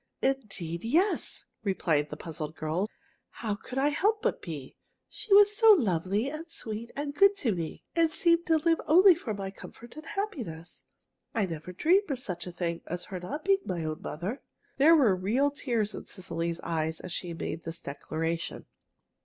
"Indeed, yes!" replied the puzzled girl. "How could I help but be? She was so lovely and sweet and good to me, and seemed to live only for my comfort and happiness. I never dreamed of such a thing as her not being my own mother." There were real tears in Cecily's eyes as she made this declaration.